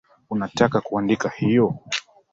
Unataka kuandika hiyo?